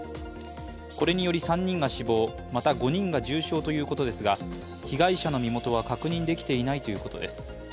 これにより３人が死亡、また５人が重傷ということですが被害者の身元は確認できていないということです。